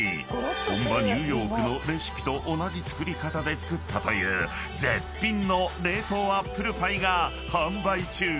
［本場ニューヨークのレシピと同じ作り方で作ったという絶品の冷凍アップルパイが販売中］